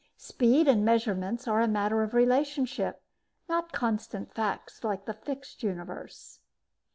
Speed and measurements are a matter of relationship, not constant facts like the fixed universe.